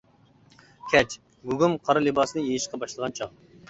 كەچ، گۇگۇم قارا لىباسنى يېيىشقا باشلىغان چاغ.